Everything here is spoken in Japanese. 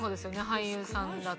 俳優さんだと。